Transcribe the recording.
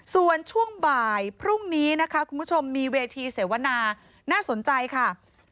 ส่วนช่วงบ่ายพรุ่งนี้นะคะคุณผู้ชมมีเวทีเสวนาน่าสนใจค่ะ